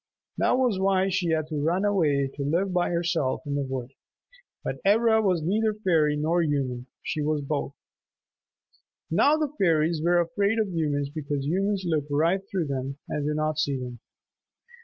That was why she had run away to live by herself in the wood. But Ivra was neither fairy nor human; she was both. Now the fairies are afraid of humans because humans look right through them and do not see them.